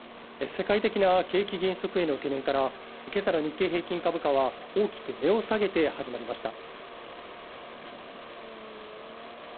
世界的な景気減速への懸念から、今朝の日経平均株価は大きく値を下げて始まりました。